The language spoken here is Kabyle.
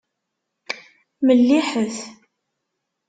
Melliḥet.